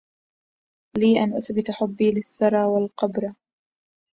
ليَ أن أثبت حبي للثرى والقُبَّرهْ